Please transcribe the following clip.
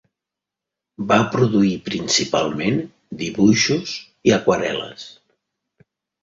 Va produir principalment dibuixos i aquarel·les.